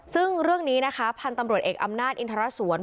ซึ่งเรื่องนี้นะคะพันธุ์ตำรวจเอกอำนาจอินทรสวน